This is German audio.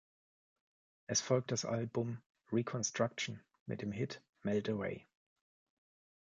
Es folgt das Album "Reconstruction" mit dem Hit "Melt Away".